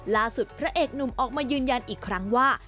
พระเอกหนุ่มออกมายืนยันอีกครั้งว่า